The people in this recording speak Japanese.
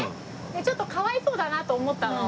でちょっとかわいそうだなと思ったの。